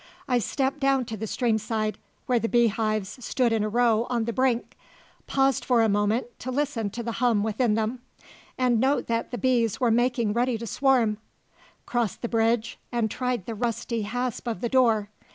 I stepped down to the streamside, where the beehives stood in a row on the brink, paused for a moment to listen to the hum within them, and note that the bees were making ready to swarm, crossed the bridge, and tried the rusty hasp of the door.